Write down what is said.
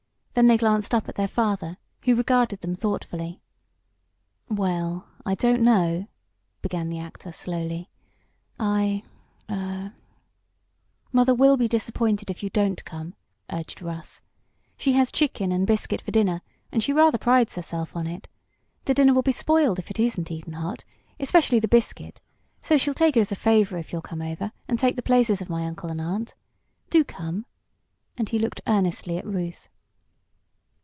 Then they glanced up at their father, who regarded them thoughtfully. "Well, I don't know," began the actor, slowly. "I er " "Mother will be disappointed if you don't come," urged Russ. "She has chicken and biscuit for dinner, and she rather prides herself on it. The dinner will be spoiled if it isn't eaten hot especially the biscuit, so she'll take it as a favor if you'll come over, and take the places of my uncle and aunt. Do come!" and he looked earnestly at Ruth.